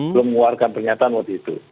belum mengeluarkan pernyataan waktu itu